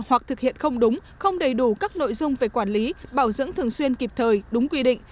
hoặc thực hiện không đúng không đầy đủ các nội dung về quản lý bảo dưỡng thường xuyên kịp thời đúng quy định